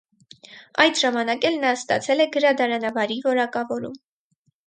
Այդ ժամանակ էլ նա ստացել է գրադարանավարի որակավորում։